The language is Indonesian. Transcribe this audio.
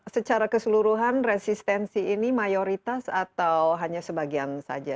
secara keseluruhan resistensi ini mayoritas atau hanya sebagian saja